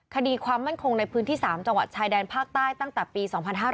คดีความมั่นคงในพื้นที่๓จังหวัดชายแดนภาคใต้ตั้งแต่ปี๒๕๕๙